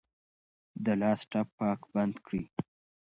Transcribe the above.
د لاس ټپ پاک بند کړئ.